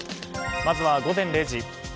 まずは午前０時。